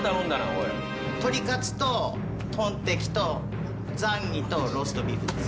おいトリカツとトンテキとザンギとローストビーフです